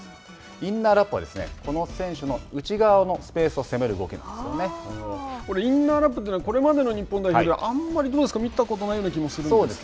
インナーラップはこの選手の内側のスペースを攻めインナーラップというのは、これまでの日本代表ではあんまり見たことないような気もするんです